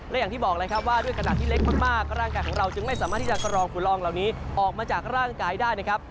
และอย่างที่บอกเลยครับว่าด้วยกระดาษที่เล็กมากร่างกายของเราจึงไม่สามารถที่จะกรองฝุ่นลองเหล่านี้ออกมาจากร่างกายได้นะครับ